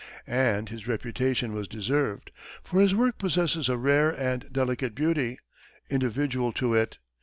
And this reputation was deserved, for his work possesses a rare and delicate beauty, individual to it.